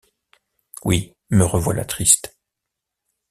Oui, me revoilà triste!